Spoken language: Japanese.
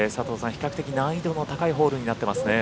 比較的難易度の高いホールになっていますよね。